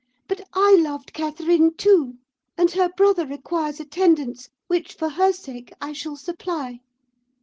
'But I loved Catherine too; and her brother requires attendance, which, for her sake, I shall supply.